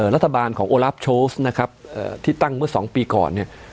รัฐบาลของโอลาฟโชสนะครับที่ตั้งเมื่อ๒ปีก่อนเนี่ย